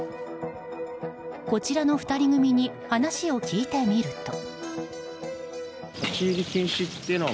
こちらの２人組に話を聞いてみると。